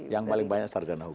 yang paling banyak sarjana hukum